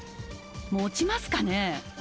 もちますかね。